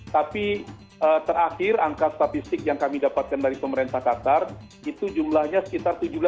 tapi terakhir angka statistik yang kami dapatkan dari pemerintah qatar itu jumlahnya sekitar tujuh belas